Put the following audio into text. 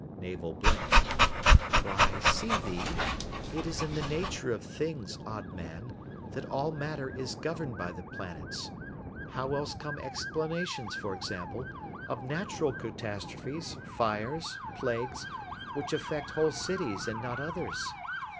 Navel blinked. "Why, see thee, it is in the nature of things, odd man, that all matter is governed by the planets. How else come explanations, for example, of natural catastrophes, fires, plagues, which affect whole cities and not others?